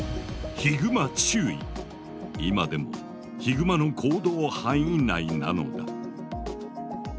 今でもヒグマの行動範囲内なのだ。